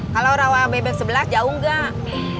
kalau rawa bebek sebelah jauh enggak